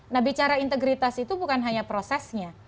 nah bicara integritas itu bukan hanya prosesnya